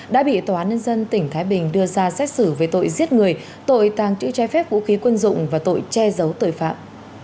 đã bị tòa án nhân dân tỉnh thái bình đưa ra xét xử về tội giết người tội tàng trữ trái phép vũ khí quân dụng và tội che giấu tội phạm